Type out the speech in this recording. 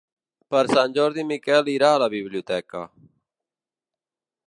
Per Sant Jordi en Miquel irà a la biblioteca.